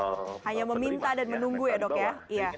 hanya meminta dan menunggu ya dok ya